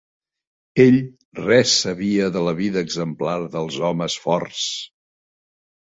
Ell res sabia de la vida exemplar dels homes forts